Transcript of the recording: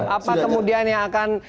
apa kemudian yang akan